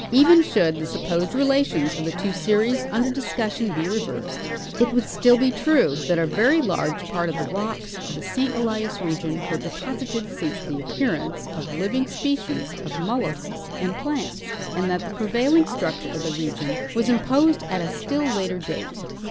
Ea^cu should the sup posed relations of the two series under discussion be rcA^ersed, it Avould still be true that a A^ery large part of the rocks of the St. Elias region Avere deposited since the appearance of liAdng species of mollusks and plants, and that the prevailing structure of the region Avas imposed at a still later date.